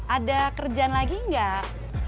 ada kerjaan lagi gak